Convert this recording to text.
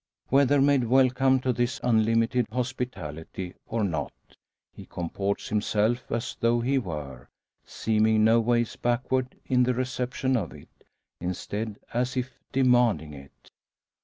Whether made welcome to this unlimited hospitality, or not, he comports himself as though he were; seeming noways backward in the reception of it; instead as if demanding it.